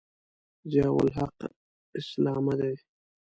ضیأالحق اسلامه دی.